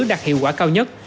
đạt hiệu quả cao nhất